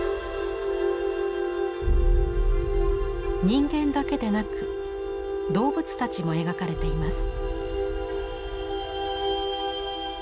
人間だけでなく動物たちも描かれています。